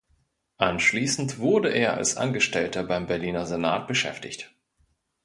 Anschließend wurde er als Angestellter beim Berliner Senat beschäftigt.